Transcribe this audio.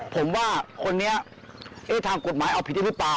ผมว่าคนนี้ทางกฎหมายเอาผิดได้หรือเปล่า